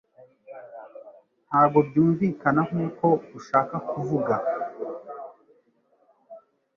Ntabwo byunvikana nkuko ushaka kuvuga